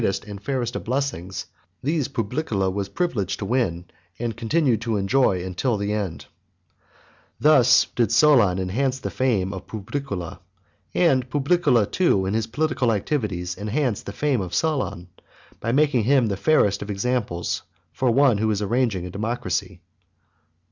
5 n. 3 fairest of blessings, these Publicola was privileged to win and continue to enjoy until the end. II. Thus did Solon enhance the fame of Publicola. And Publicola, too, in his political activities, enhanced the fame of Solon, by making him the fairest of examples for one who was arranging a democracy.